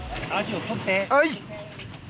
はい。